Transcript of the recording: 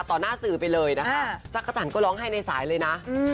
ต่อหน้าสื่อไปเลยนะคะจักรจันทร์ก็ร้องไห้ในสายเลยนะ